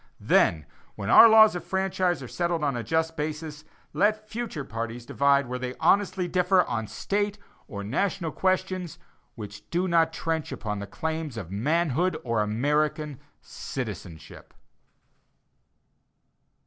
Then, when our laws of franchise are settled on a just basis, let future parties divide where they honestly differ on State or national questions which do not trench upon the claims of manhood or American citizenship.